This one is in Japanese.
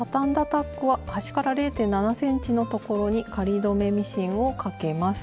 タックは端から０．７ｃｍのところに仮留めミシンをかけます。